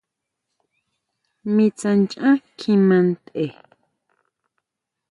Mi tsá ʼnchan kjima ntʼe.